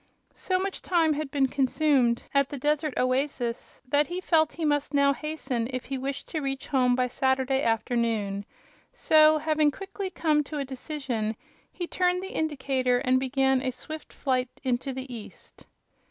So much time had been consumed at the desert oasis that he felt he must now hasten if he wished to reach home by Saturday afternoon; so, having quickly come to a decision, he turned the indicator and began a swift flight into the east.